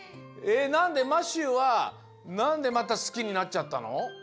えっなんでマシューはなんでまた好きになっちゃったの？